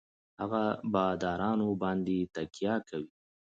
هـغـه بـادارنـو بـانـدې يـې تکيـه کـوي.